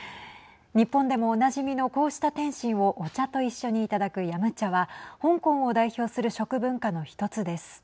日本でもおなじみのこうした点心をお茶と一緒にいただくヤムチャは香港を代表する食文化の一つです。